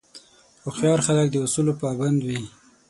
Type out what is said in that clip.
هوښیار خلک د اصولو پابند وي.